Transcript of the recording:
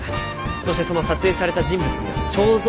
そしてその撮影された人物には肖像権がある。